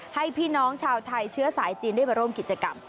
ให้พี่น้องชาวไทยเชื้อสายจีนได้มาร่วมกิจกรรม